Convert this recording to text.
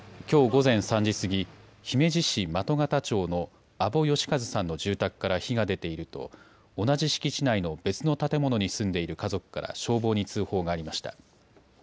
きょう午前３時過ぎ姫路市的形町の阿保義一さんの住宅から火が出ていると同じ敷地内の別の建物に住んでいる家族から消防に通報がありました。